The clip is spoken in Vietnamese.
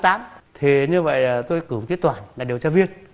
thì như vậy là tôi cử một tiết toàn là điều tra viên